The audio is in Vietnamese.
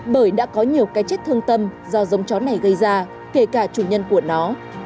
bởi đã có nhiều cái chết thương tâm do giống chó này gây ra kể cả chủ nhân của nó